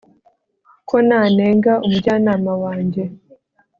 ko nanenga umujyanama wanjye